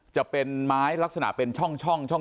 จะเป็นไม้ลักษณะเป็นช่อง